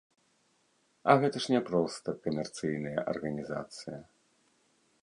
А гэта ж не проста камерцыйная арганізацыя.